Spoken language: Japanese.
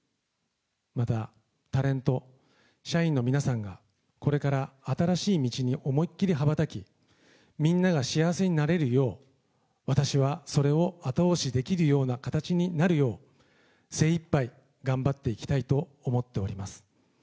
またタレント、社員の皆さんが、これから新しい道に思いっきり羽ばたき、みんなが幸せになれるよう、私はそれを後押しできるような形になるよう、精いっぱい頑張っていきたいと思っております。